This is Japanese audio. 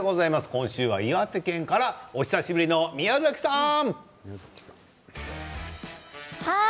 今週は岩手県からお久しぶりの宮崎さん。